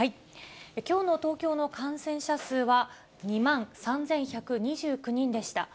きょうの東京の感染者数は２万３１２９人でした。